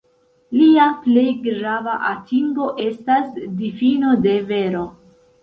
Lia plej grava atingo estas difino de vero.